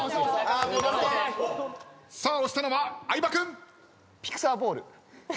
さあ押したのは相葉君！